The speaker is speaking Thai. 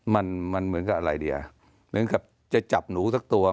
มันมันเหมือนกับอะไรดีอ่ะเหมือนกับจะจับหนูสักตัว